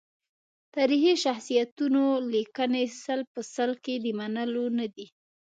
تاریخي شخصیتونو لیکنې سل په سل کې د منلو ندي.